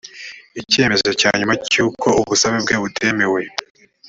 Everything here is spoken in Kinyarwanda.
ikemezo cya nyuma cy uko ubusabe bwe butemewe